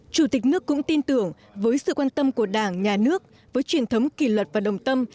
chủ tịch nước cũng tin tưởng với sự quan tâm của đảng nhà nước với truyền thống kỳ luật và đồng tâm